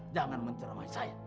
jangan menceramai saya